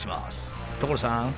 所さん！